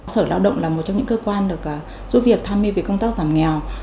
sở lào động là một trong những cơ quan được giúp việc tham mưu về công tác giảm nghèo